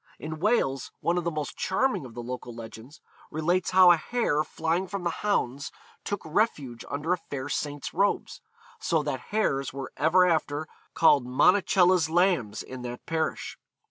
In Wales, one of the most charming of the local legends relates how a hare flying from the hounds took refuge under a fair saint's robes, so that hares were ever after called Monacella's Lambs in that parish.